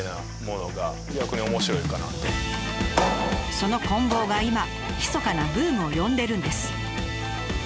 そのこん棒が今ひそかなブームを呼んでるんです。